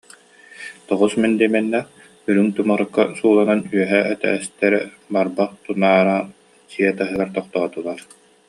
Тоҕус мэндиэмэннээх, үрүҥ тумарыкка сууланан үөһээ этээстэрэ барбах тунаарар дьиэ таһыгар тохтоотулар